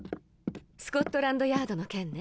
スコットランドヤードの件ね。